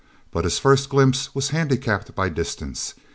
But his first glimpse was handicapped by distance.